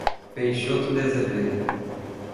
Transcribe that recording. Peixoto de Azevedo